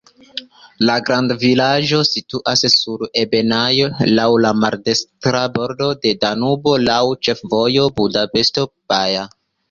La grandvilaĝo situas sur ebenaĵo, laŭ maldekstra bordo de Danubo, laŭ ĉefvojo Budapeŝto-Baja.